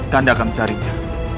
kanda akan mencarinya